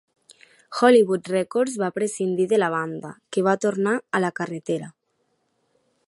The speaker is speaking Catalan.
Hollywood Records va prescindir de la banda, que va tornar a la carretera.